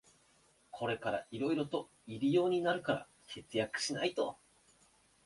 これからいろいろと入用になるから節約しないと